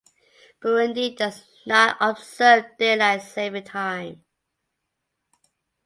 Burundi does not observe daylight saving time.